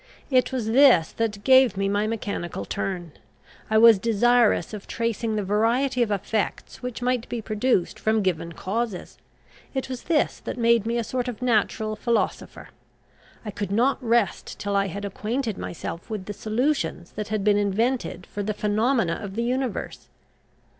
It was this that gave me my mechanical turn; I was desirous of tracing the variety of effects which might be produced from given causes. It was this that made me a sort of natural philosopher; I could not rest till I had acquainted myself with the solutions that had been invented for the phenomena of the universe.